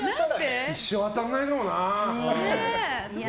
一生当たんないかもな！